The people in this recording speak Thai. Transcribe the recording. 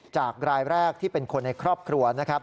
จากรายแรกที่เป็นคนในครอบครัว